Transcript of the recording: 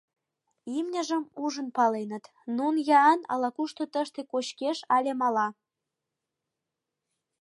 Имньыжым ужын паленыт: Нунн-Яан ала-кушто тыште кочкеш але мала.